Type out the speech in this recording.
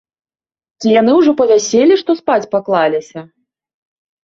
Ці яны ўжо па вяселлі, што спаць паклаліся?